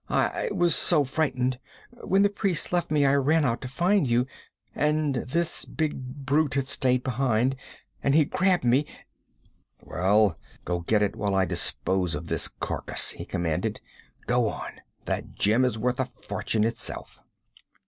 'I was so frightened when the priests left I ran out to find you, and this big brute had stayed behind, and he grabbed me ' 'Well, go get it while I dispose of this carcass,' he commanded. 'Go on! That gem is worth a fortune itself.'